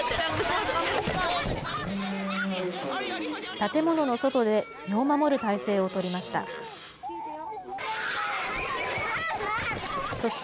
建物の外で身を守る体勢を取りました。